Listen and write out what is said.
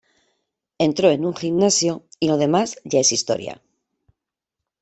Entró en un gimnasio y lo demás ya es historia.